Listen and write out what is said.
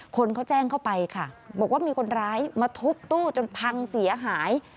คนเขาแจ้งเข้าไปค่ะบอกว่ามีคนร้ายมาทุบตู้จนพังเสียหาย